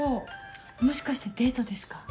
もしかしてデートですか？